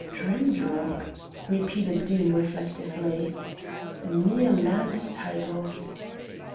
"Drimdarroch!" repeated Doom reflectively, "a mere land title."